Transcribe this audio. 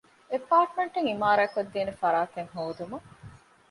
އެޕާޓްމަންޓެއް ޢިމާރާތްކޮށްދޭނޭ ފަރާތެއް ހޯދުމަށް